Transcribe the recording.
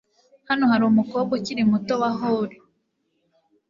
hariho umukobwa ukiri muto wa hull